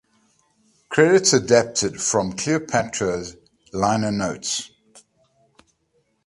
Credits adapted from "Cleopatra" liner notes.